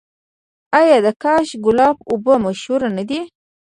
آیا د کاشان ګلاب اوبه مشهورې نه دي؟